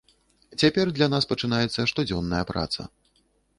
Цяпер для нас пачынаецца штодзённая праца.